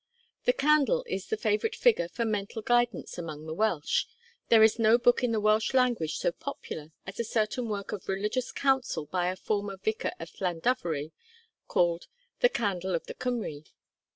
The candle is the favourite figure for mental guidance among the Welsh; there is no book in the Welsh language so popular as a certain work of religious counsel by a former Vicar of Llandovery, called 'The Candle of the Cymry.'